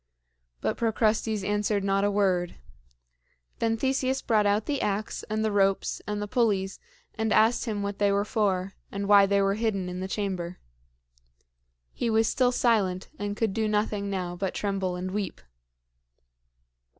But Procrustes answered not a word. Then Theseus brought out the ax and the ropes and the pulleys, and asked him what they were for, and why they were hidden in the chamber. He was still silent, and could do nothing now but tremble and weep.